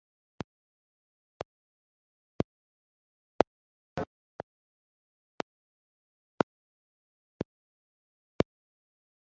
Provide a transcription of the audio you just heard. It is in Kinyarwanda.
Uru rwego rwashushanyaga Kristo wari waratangije umusabano hagati y’isi n’ijuru